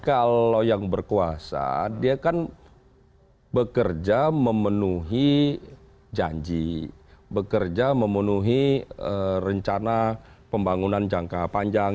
kalau yang berkuasa dia kan bekerja memenuhi janji bekerja memenuhi rencana pembangunan jangka panjang